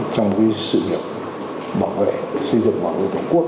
trong sự nghiệp bảo vệ xây dựng bảo vệ tổ quốc